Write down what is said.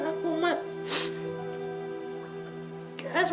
tapi padahal paulo